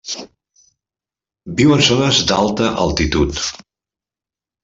Viu en zones d'alta altitud.